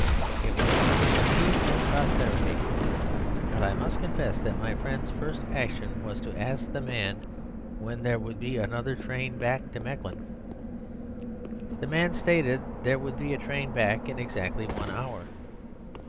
It was the scene of peace and prosperity; but I must confess that my friend's first action was to ask the man when there would be another train back to Mechlin. The man stated that there would be a train back in exactly one hour.